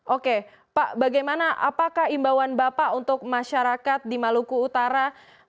oke pak bagaimana apakah imbauan bapak untuk masyarakat di maluku utara